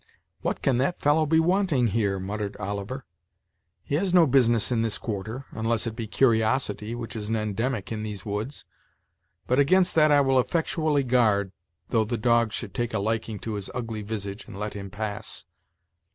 "What can that fellow be wanting here?" muttered Oliver. "He has no business in this quarter, unless it be curiosity, which is an endemic in these woods. But against that I will effectually guard, though the dogs should take a liking to his ugly visage, and let him pass."